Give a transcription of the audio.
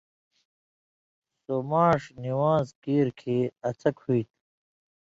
سو ماݜ نِوان٘ز کیر کھیں اڅھک ہُوئ تھُو۔